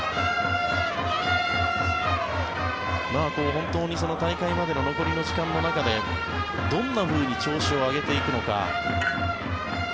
本当に大会までの残りの時間の中でどんなふうに調子を上げていくのか。